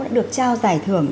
đã được trao giải thưởng